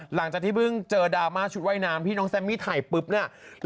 หลังจากที่เพิ่งเจอดราม่าชุดว่ายน้ำที่น้องแซมมี่ถ่ายปุ๊บเนี่ย